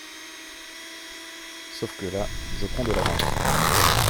Sauf que là je prends de l’avance.